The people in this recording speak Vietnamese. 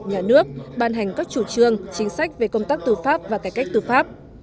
nhà nước ban hành các chủ trương chính sách về công tác tư pháp và cải cách tư pháp